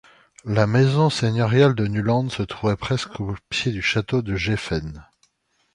La maison seigneuriale de Nuland, se trouvait presque au pied du château de Geffen.